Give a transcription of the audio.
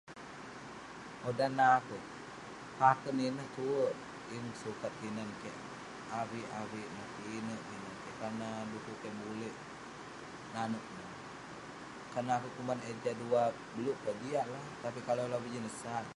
Owk dan neh akouk, paken ineh tuwerk yeng sukat kinan keik, avik avik neh pinek pinek..karna du'kuk keik buleik nanouk neh, kalau akouk kuman eh jah duah beluk keh, jiak la..kalau lobih jin ineh, sat..